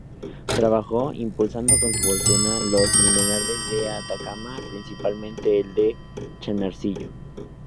Trabajó, impulsando con su fortuna, los minerales de Atacama, principalmente el de Chañarcillo.